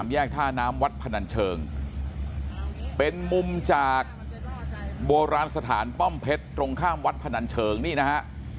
แยกท่าน้ำวัดพนันเชิงเป็นมุมจากโบราณสถานป้อมเพชรตรงข้ามวัดพนันเชิงนี่นะฮะ